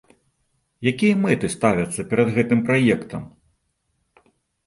Якія мэты ставяцца перад гэтым праектам?